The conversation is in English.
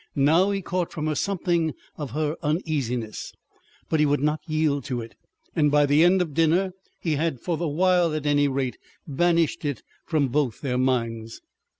Now he caught from her something of her uneasiness. But he would not yield to it, and by the end of dinner he had, for the while at any rate, banished it from both their minds.